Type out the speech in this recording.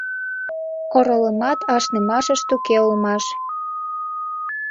Оролымат ашнымашышт уке улмаш.